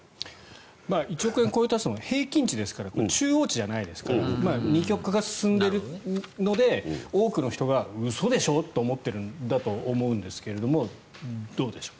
１億円を超えたというのは平均値ですから中央値じゃないですから二極化が進んでいるので多くの人が嘘でしょ？と思っているんだと思うんですがどうでしょう。